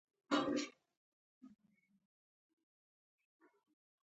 نو نور لوی لیکوالان یې هم نه دي سانسور کړي.